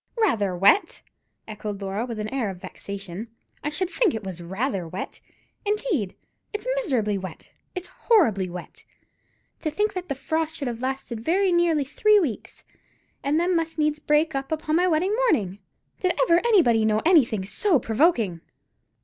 "Rather wet!" echoed Laura, with an air of vexation; "I should think it was rather wet, indeed. It's miserably wet; it's horribly wet. To think that the frost should have lasted very nearly three weeks, and then must needs break up on my wedding morning. Did ever anybody know anything so provoking?"